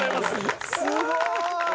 すごい。